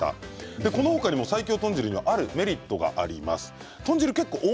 この他にも最強豚汁にはあるメリットがあります。